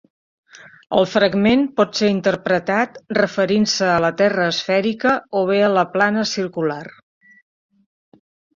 El fragment pot ser interpretat referint-se a la terra esfèrica o bé a la plana-circular.